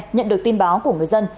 nhận được tin báo của người dân